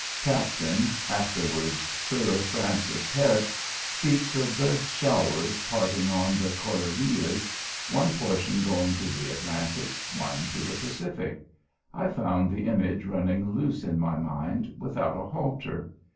Captain, afterwards Sir Francis Head, speaks of the showers parting on the Cordilleras, one portion going to the Atlantic, one to the Pacific. I found the image running loose in my mind, without a halter.